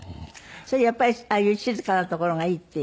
それやっぱりああいう静かな所がいいっていう？